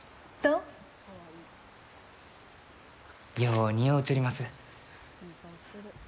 よう似合うちょります。